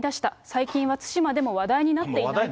最近は対馬でも話題になっていない。